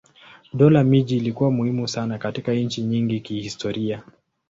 Dola miji ilikuwa muhimu sana katika nchi nyingi kihistoria.